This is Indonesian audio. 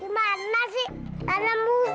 dimana sih tanam musing